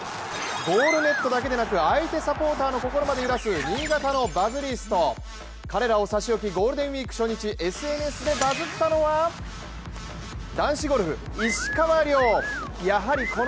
ゴールネットだけでなく相手サポーターの心まで揺らす新潟のバズリスト、彼らを差し置き、ゴールデンウイーク初日、ＳＮＳ でバズったのはいつもの洗濯が